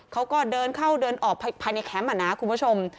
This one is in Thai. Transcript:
เขาก็เดินเข้าเดินออกภายในแคมป์นะคุณผู้ชม